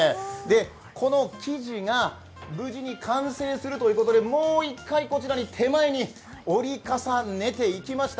この生地が無事に完成するということでもう一回、手前に折り重ねていきました。